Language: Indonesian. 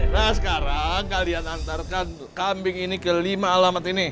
nah sekarang kalian antarkan kambing ini ke lima alamat ini